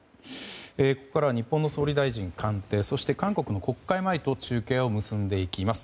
ここからは日本の総理大臣官邸そして韓国の国会前と中継を結んでいきます。